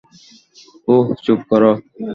ওহ, চুপ কর।